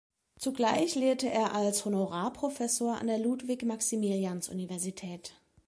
Zugleich lehrte er als Honorarprofessor an der Ludwig-Maximilians-Universität.